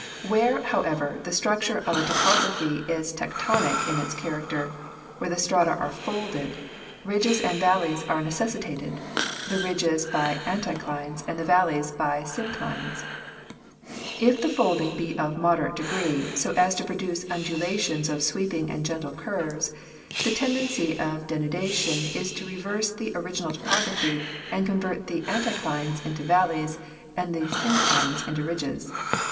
Where, however, the structure of a topography is tec tonic in its character, where the strata are folded, ridges and valleys are necessitated, the ridges by anticlines and the valleys by synclines. If the folding be of moderate degree, so as to produce undulations of sweeping and gentle curves, the tendency of denudation is to reverse the original topography and convert the anticlines into valleys and the synclines into ridges.